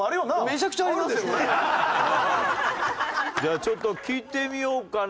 じゃあちょっと聞いてみようかね。